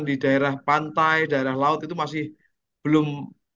di daerah pantai daerah laut itu masih belum